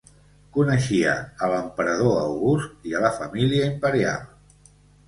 Coneixia a l'emperador August i a la família imperial.